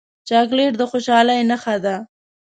چاکلېټ د خوشحالۍ نښه ده.